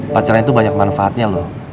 pacaran itu banyak manfaatnya loh